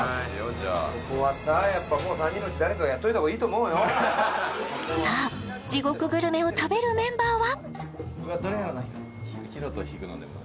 じゃあここはさやっぱ３人のうち誰かがやっといたほうがいいと思うよさあ地獄グルメを食べるメンバーは？